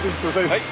はい。